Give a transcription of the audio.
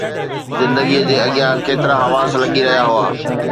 زندگيءَ جي اڳيان ڪيترا حواس لڳي رهيا هئا